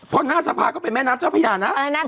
พอหน้าสภาก็ไปแม่น้ำเจ้าพญานนะ